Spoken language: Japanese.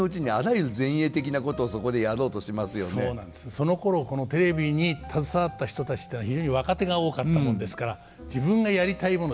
そのころテレビに携わった人たちっていうのは非常に若手が多かったもんですから自分がやりたいもの